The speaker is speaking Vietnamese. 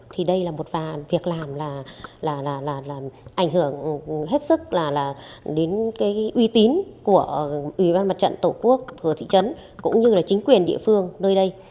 thì đây là một vàn việc làm là ảnh hưởng hết sức đến uy tín của ủy ban mặt trận tổ quốc thị trấn cũng như chính quyền địa phương nơi đây